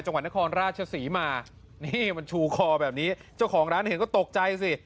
จังหวัดนครราชศรีมานี่มันชูคอแบบนี้เจ้าของร้านเห็นก็ตกใจสิ